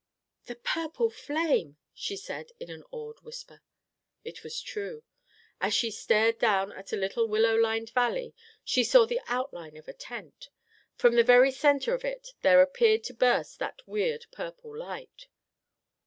"The purple flame!" she said in an awed whisper. It was true. As she stared down at a little willow lined valley, she saw the outline of a tent. From the very center of it there appeared to burst that weird purple light.